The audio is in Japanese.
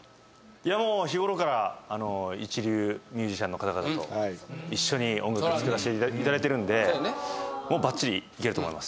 いやもう日頃から一流ミュージシャンの方々と一緒に音楽作らしていただいてるんでそやねバッチリいけると思います